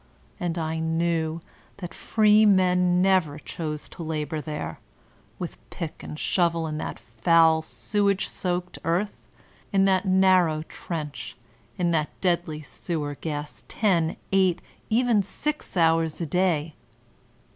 And I knew that free men never chose to labor there, with pick and shovel in that foul, sewage soaked l68 VOLTAIRINE DE ClEYRE earth, in that narrow trench, in that deadly sewer gas ten, eight, even six hours a day.